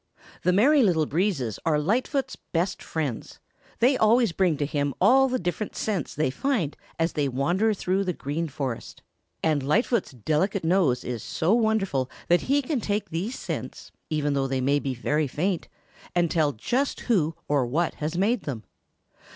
The Merry Little Breezes are Lightfoot's best friends. They always bring to him all the different scents they find as they wander through the Green Forest. And Lightfoot's delicate nose is so wonderful that he can take these scents, even though they be very faint, and tell just who or what has made them.